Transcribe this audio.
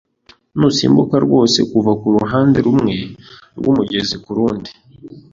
Nusimbuka rwose kuva kuruhande rumwe rwumugezi kurundi.